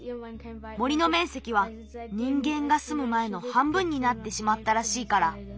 森のめんせきはにんげんがすむまえのはんぶんになってしまったらしいから。